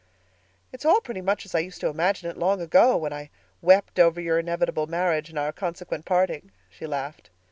"It's all pretty much as I used to imagine it long ago, when I wept over your inevitable marriage and our consequent parting," she laughed.